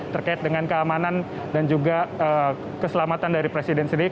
terkait dengan keamanan dan juga keselamatan dari presiden sendiri